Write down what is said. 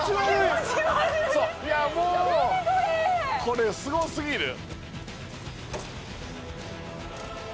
これすご過ぎる。